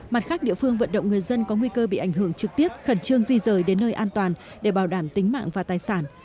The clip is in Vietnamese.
mặt khác địa phương vận động người dân có nguy cơ bị ảnh hưởng trực tiếp khẩn trương di rời đến nơi an toàn để bảo đảm tính mạng và tài sản